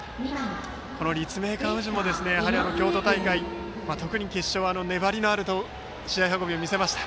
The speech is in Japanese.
立命館宇治も京都大会決勝は特に粘りのある試合運びを見せました。